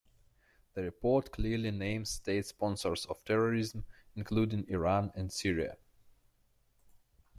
The report clearly names state sponsors of terrorism including Iran and Syria.